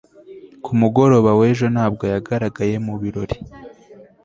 ku mugoroba w'ejo ntabwo yagaragaye mu birori